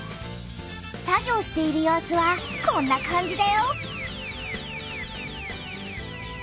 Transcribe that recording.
作業している様子はこんな感じだよ。